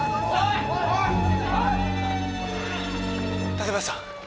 竹林さん。